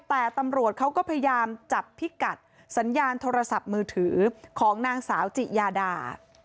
แต่ตำรวจเขาก็พยายามจับพิกัดสัญญาณโทรศัพท์มือถือของนางสาวจิยาดา